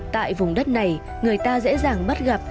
tại vùng đất này người ta dễ dàng bắt gặp